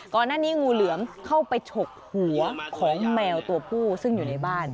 งูเหลือมเข้าไปฉกหัวของแมวตัวผู้ซึ่งอยู่ในบ้าน